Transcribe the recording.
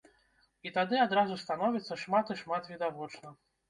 І тады адразу становіцца шмат і шмат відавочна.